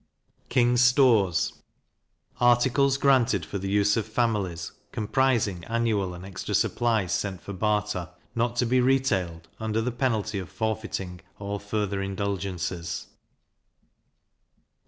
King's Stores articles granted for the use of families, comprising annual and extra supplies sent for barter, not to be retailed, under the penalty of forfeiting all further indulgences.